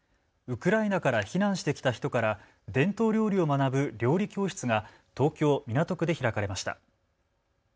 ウクライナから避難してきた人から伝統料理を学ぶ料理教室が東京港区で開かれました。